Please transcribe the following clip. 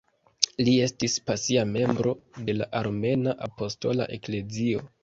Li estis pasia membro de la Armena Apostola Eklezio.